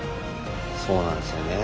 そうなんですよねえ。